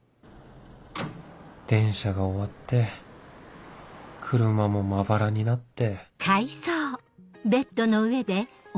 電車が終わって車もまばらになって